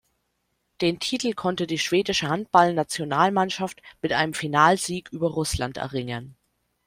Den Titel konnte die Schwedische Handballnationalmannschaft mit einem Finalsieg über Russland erringen.